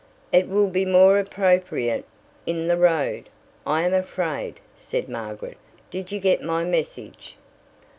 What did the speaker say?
"It will be more appropriate in the road, I am afraid," said Margaret. "Did you get my message?"